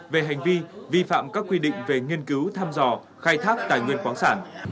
về hành vi vi phạm các quy định về nghiên cứu thăm dò khai thác tài nguyên khoáng sản